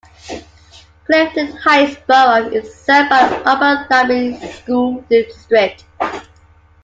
Clifton Heights borough is served by the Upper Darby School District.